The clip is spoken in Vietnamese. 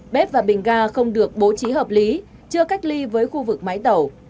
bếp và bình ga không được bố trí hợp lý chưa cách ly với khu vực máy tàu